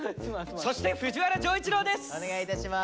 そして藤原丈一郎です！